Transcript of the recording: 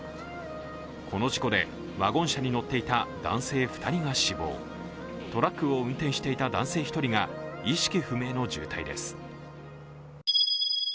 この事故でワゴン車に乗っていた男性２人が死亡、トラックを運転していた男性１人が意識不明の重体です。